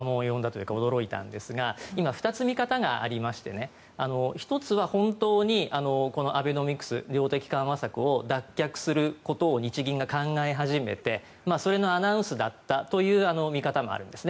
この発言は結構市場関係者、色々波紋を呼んだというか驚いたんですが今、２つ見方がありまして１つは本当にアベノミクス量的緩和策を脱却することを日銀が考え始めてそれのアナウンスだったという見方もあるんです。